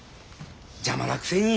邪魔なくせに。